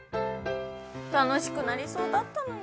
楽しくなりそうだったのに。